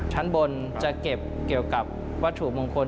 ชั้นบนจะเก็บเกี่ยวกับวัตถุมงคล